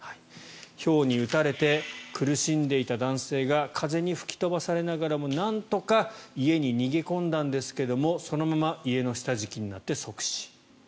ひょうに打たれて苦しんでいた男性が風に吹き飛ばされながらもなんとか家に逃げ込んだんですがそのまま家の下敷きになって即死。